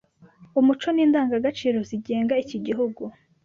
umuco n’indangagaciro zigenga iki gihugu